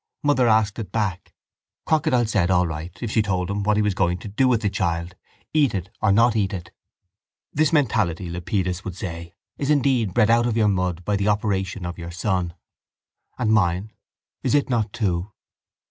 Mother asked it back. Crocodile said all right if she told him what he was going to do with the child, eat it or not eat it. This mentality, Lepidus would say, is indeed bred out of your mud by the operation of your sun. And mine? Is it not too?